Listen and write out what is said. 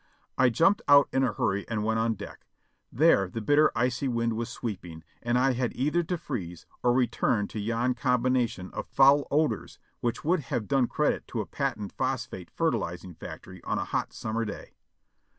I jumped out in a hurry and went on deck; there the bitter, icy wind was sweeping, and I had either to freeze or return to yon combination of foul odors which would have done credit to a patent phosphate fertilizing factory on a hot summer day.